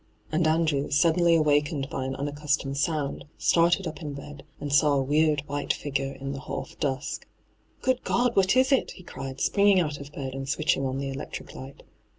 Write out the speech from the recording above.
And Andrew, suddenly awakened by an unaccustomed sound, started up in bed, and saw a weird white figure in the half dusk. * Good God ! what is it V he cried, spring ing out of bed and switching on the electric light.